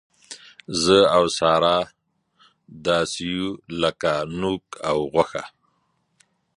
زه او ساره داسې یو لک نوک او غوښه.